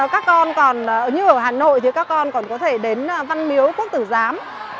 các con còn như ở hà nội thì các con còn có thể đến văn biếu quốc tử giám